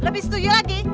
lebih setuju lagi